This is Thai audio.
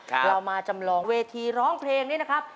เรามาจำลองเวทีร้องเพลงนี้นะครับ